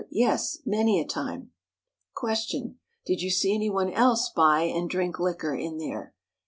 Yes, many a time. "Q. Did you see anyone else buy and drink liquor in there?